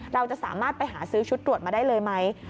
เราจะสามารถไปหาซื้อชุดตรวจมาได้เลยไหม